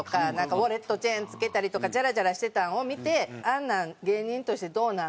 ウォレットチェーン着けたりとかジャラジャラしてたんを見てあんなん芸人としてどうなん？